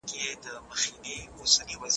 د لالټین رڼا ډېره کمه وه.